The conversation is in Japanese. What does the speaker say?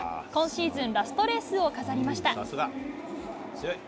今シーズンラストレースを飾りました。